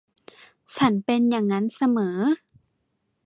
ฉันเป็นยังงั้นเสมอ